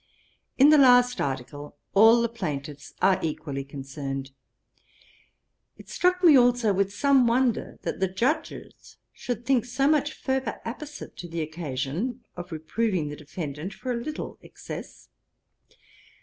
In the last article, all the plaintiffs are equally concerned. It struck me also with some wonder, that the Judges should think so much fervour apposite to the occasion of reproving the defendant for a little excess.